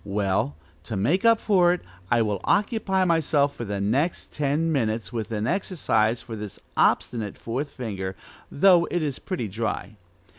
Well, to make up for it, I will occupy myself for the next ten minutes with an exercise for this obstinate fourth finger, though it is pretty dry.